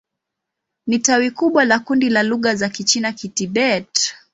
Ni tawi kubwa la kundi la lugha za Kichina-Kitibet.